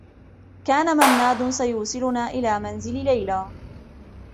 كان منّاد سيوصلنا إلى منزل ليلى.